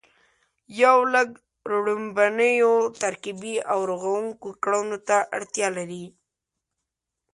یو لړ ړومبنیو ترکیبي او رغوونکو کړنو ته اړتیا لري